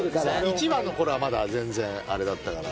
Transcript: １話の頃はまだ全然あれだったから。